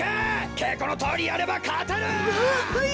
けいこのとおりやればかてる！ははい。